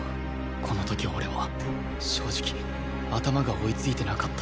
この時俺は正直頭が追いついてなかった